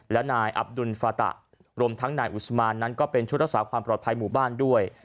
และนายอับดุลฟาตะรวมทั้งนายอุศมานนั้นก็เป็นชุดรักษาความปลอดภัยหมู่บ้านด้วย